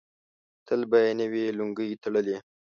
تل به یې نوې لونګۍ تړلې.